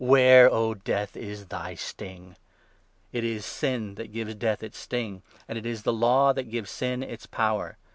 Where, O Death, is thy sting ?' It is sin that gives death its sting, and it is the Law that 56 gives sin its power.